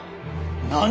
何！